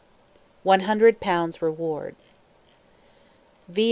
ONE HUNDRED POUNDS REWARD. V.R.